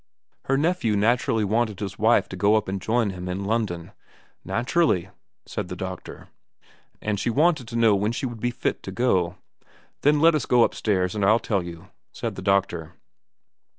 Her nephew naturally wanted his wife to go up and join him in London. ' Naturally,' said the doctor. And she wanted to know when she would be fit to go. ' Then let us go upstairs and I'll tell you,' said the doctor.